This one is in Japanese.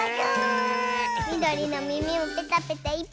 みどりのみみもペタペタいっぱい！